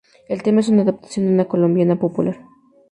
El tema es una adaptación de una colombiana popular.